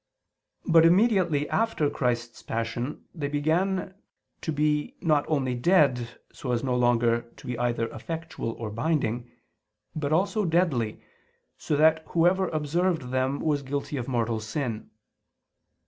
But immediately after Christ's Passion they began to be not only dead, so as no longer to be either effectual or binding; but also deadly, so that whoever observed them was guilty of mortal sin.